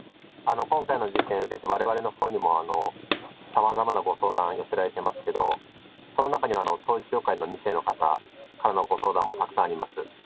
今回の事件を受けてわれわれのほうにもさまざまなご相談、寄せられてますけど、その中には、統一教会の２世の方からのご相談もたくさんあります。